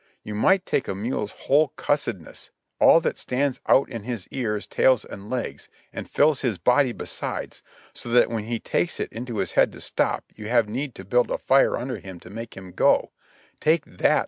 You might take a mule's whole "cussed ness," all that stands out in his ears, tail and legs, and fills his body besides, so that when he takes it into his head to stop you have need to build a fire under him to make him go — take that.